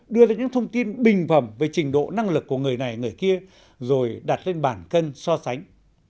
đưa ra những thông tin bình phẩm về trình độ năng lực của người này người kia rồi đặt lên bản cân so sánh